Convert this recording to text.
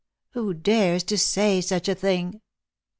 Who dares to say such a thing?"